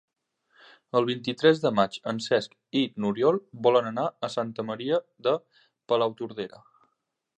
El vint-i-tres de maig en Cesc i n'Oriol volen anar a Santa Maria de Palautordera.